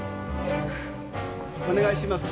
お願いします。